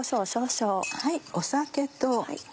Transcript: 酒と。